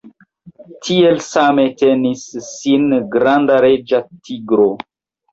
Tiel same tenis sin granda reĝa tigro.